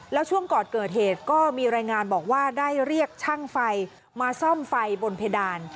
แล้วช่วงก่อนเกิดเหตุก็มีรายงานบอกว่าได้เรียกช่างไฟมาซ่อมไฟบนเพดาน